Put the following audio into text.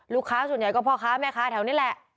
ลูกค้าส่วนใหญ่ก็พ่อค้าแม่ค้าแถวนี้แหละ